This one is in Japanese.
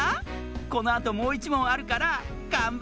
このあともういちもんあるからがんばってくださいね。